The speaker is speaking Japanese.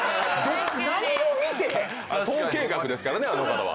統計学ですからねあの方は。